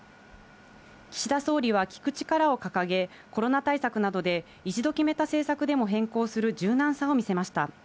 岸田総理は聞く力を掲げ、コロナ対策などで一度決めた政策でも変更する柔軟さを見せました。